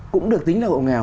cũng được tính là nghèo